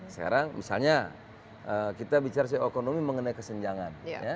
sekarang misalnya kita bicara sih okonomi mengenai kesenjangan